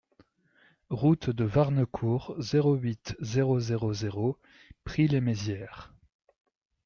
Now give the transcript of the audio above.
Route de Warnecourt, zéro huit, zéro zéro zéro Prix-lès-Mézières